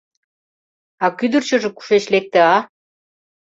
— А кӱдырчыжӧ кушеч лекте, а?